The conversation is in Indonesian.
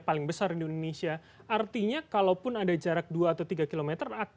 paling besar di indonesia artinya kalaupun ada jarak dua atau tiga km